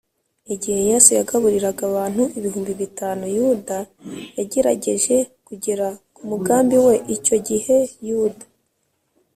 igihe yesu yagaburiraga abantu ibihumbi bitanu, yuda yagerageje kugera ku mugambi we icyo gihe yuda